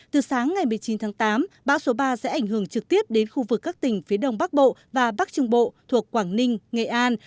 từ sáng ngày một mươi chín tháng tám bão số ba sẽ ảnh hưởng trực tiếp đến khu vực các tỉnh phía đông bắc bộ và bắc trung bộ thuộc quảng ninh nghệ an